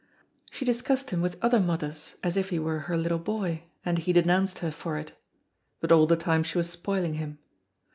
She discussed him with other mothers as if he were her little boy, and he denounced her for it. But all the time she was spoiling him.